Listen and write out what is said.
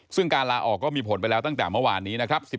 ซึ่งการลาออกก็มีผลไปแล้วตั้งแต่เมื่อวานนี้นะครับ